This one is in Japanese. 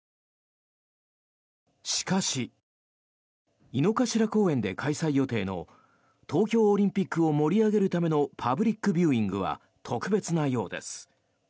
しかし、井の頭公園で開催予定の東京オリンピックを盛り上げるためのパブリックビューイングは特別なようです。